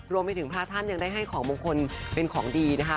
รวมไปถึงพระท่านยังได้ให้ของมงคลเป็นของดีนะคะ